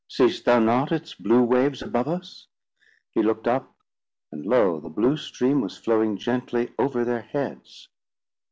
'Seest thou not its blue waves above us?' He looked up, and lo! the blue stream was flowing gently over their heads."